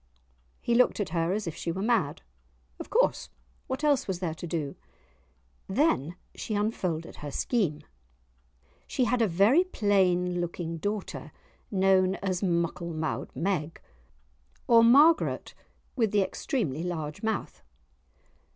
He looked at her as if she were mad; of course, what else was there to do? Then she unfolded her scheme. She had a very plain looking daughter known as "Muckle mou'd Meg," or Margaret with the extremely large mouth.